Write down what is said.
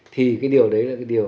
thì cái điều đấy là cái điều